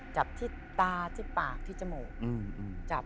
จับที่ตาที่ปากที่จมูกจับ